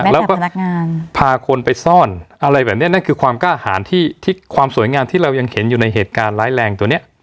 แล้วก็พนักงานพาคนไปซ่อนอะไรแบบนี้นั่นคือความกล้าหารที่ความสวยงามที่เรายังเห็นอยู่ในเหตุการณ์ร้ายแรงตัวนี้